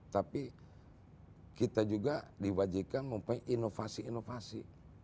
tapi kita juga diwajibkan mempunyai inovasi inovasi